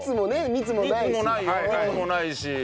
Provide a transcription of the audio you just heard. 密もないし。